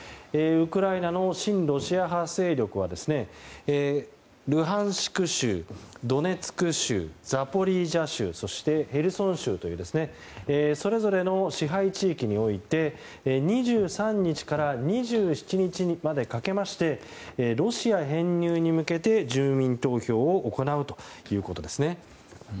ウクライナの親ロシア派勢力はルハンシク州、ドネツク州ザポリージャ州そしてヘルソン州というそれぞれの支配地域において２３日から２７日までかけましてロシア編入に向けて住民投票を行うということです。